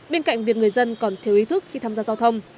bên cạnh việc người dân còn thiếu ý thức khi tham gia giao thông